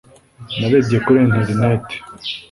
Narebye kuri interineti